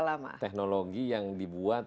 lama teknologi yang dibuat